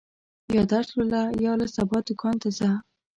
یا درس لوله، یا له سبا دوکان ته ځه.